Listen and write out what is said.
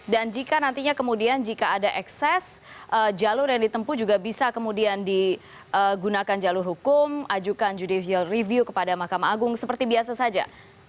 dan jika nantinya kemudian jika ada ekses jalur yang ditempu juga bisa kemudian digunakan jalur hukum ajukan judicial review kepada mahkamah agung seperti biasa saja